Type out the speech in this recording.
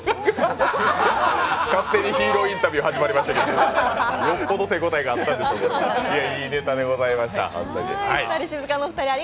勝手にヒーローインタビュー始まりましたけど、よっぽど手応えがあったんでしょういいネタでございました。